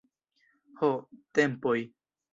Ho, tempoj!